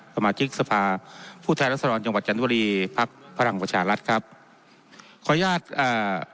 สมาชิกสภาผู้แทนรัศดรจังหวัดจันทบุรีพักพลังประชารัฐครับขออนุญาตอ่า